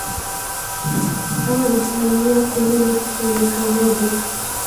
sawa na asilimia kumi na tisa nukta moja